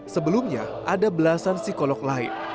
sebelumnya ada belasan psikolog lain